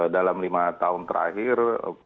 dalam lima tahun terakhir dua ribu delapan belas